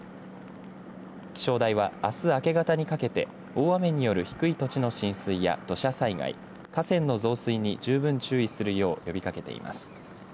気象台はあす明け方にかけて大雨による低い土地の浸水や土砂災害河川の増水に十分注意するよう呼びかけています。